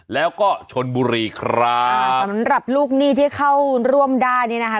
แล้วก็ชนบุรีครับสำหรับลูกหนี้ที่เข้าร่วมได้นี่นะคะ